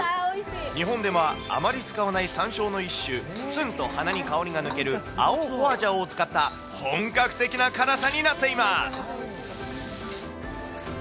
日本ではあまり使わないさんしょうの一種、つんと香りが鼻に抜ける、青ホアジャオを使った本格的な辛さになっています。